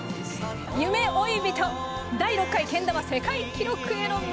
「夢追い人第６回けん玉世界記録への道」。